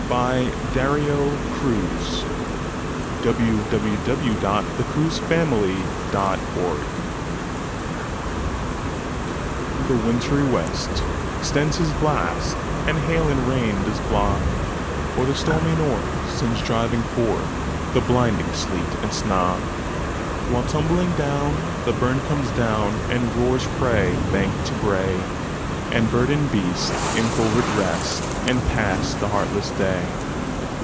The Harvard Classics. 1909–14. 1781 15 . Winter: A Dirge THE WINTRY west extends his blast, And hail and rain does blaw; Or the stormy north sends driving forthThe blinding sleet and snaw:While, tumbling brown, the burn comes down, And roars frae bank to brae; And bird and beast in covert rest, And pass the heartless day.